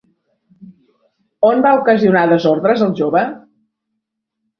On va ocasionar desordres el jove?